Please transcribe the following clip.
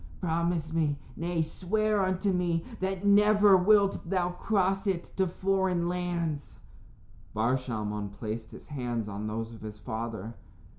Promise me nay, swear unto me that never wilt thou cross it to foreign lands." Bar Shalmon placed his hands on those of his father.